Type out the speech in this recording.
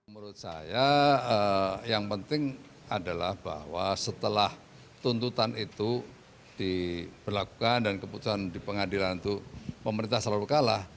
menurut saya yang penting adalah bahwa setelah tuntutan itu diberlakukan dan keputusan di pengadilan itu pemerintah selalu kalah